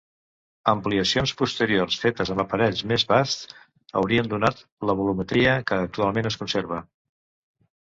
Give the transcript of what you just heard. Ampliacions posteriors fetes amb aparells més basts, haurien donat la volumetria que actualment es conserva.